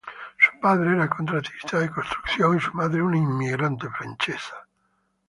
Su padre era un contratista de construcción y su madre una inmigrante francesa.